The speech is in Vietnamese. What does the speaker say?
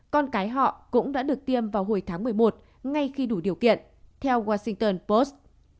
con cái họ cũng đã được tiêm vào hồi tháng một mươi một ngay khi đủ điều kiện theo washington post